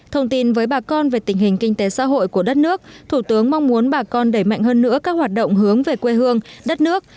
thông tin với bà con về tình hình kinh tế xã hội của đất nước thủ tướng mong muốn bà con đẩy mạnh hơn nữa các hoạt động hướng về quê hương đất nước